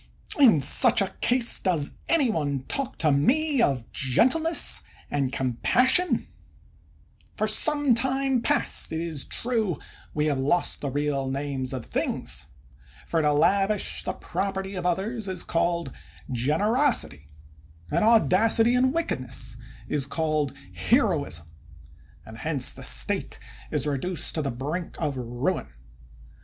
In such a case, does any one talk to me of gen tleness and compassion 7 For some time past, it is true, we have lost the real names of things; for to lavish the property of others is called gen erosity, and audacity in wickedness is called 281 THE WORLD'S FAMOUS ORATIONS heroism; and hence the State is reduced to the brink of ruin.